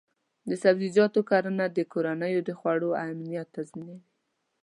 د سبزیجاتو کرنه د کورنیو د خوړو امنیت تضمینوي.